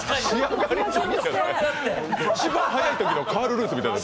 一番速いときのカール・ルイスみたい。